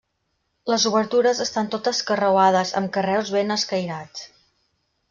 Les obertures estan totes carreuades, amb carreus ben escairats.